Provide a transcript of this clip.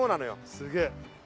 すげえ。